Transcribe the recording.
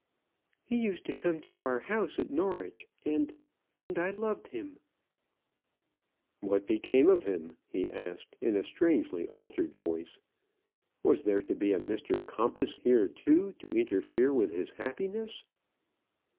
"He used to come to our house at Norwich, and and I loved him." "What became of him?" he asked, in a strangely altered voice. Was there to be a Mr Compas here too to interfere with his happiness?